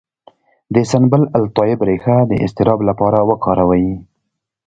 د سنبل الطیب ریښه د اضطراب لپاره وکاروئ